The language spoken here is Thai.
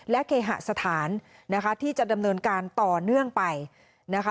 และเคหสถานนะคะที่จะดำเนินการต่อเนื่องไปนะคะ